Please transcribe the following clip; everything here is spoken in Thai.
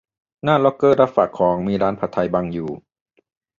หน้าล็อกเกอร์รับฝากของ มีร้านผัดไทยบังอยู่